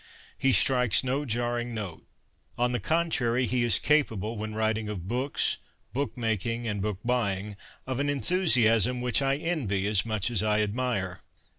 He strikes no jarring note. On the contrary, he is capable, when writing of books, book making, and book buying, of an enthusiasm which I envy as much as I admire.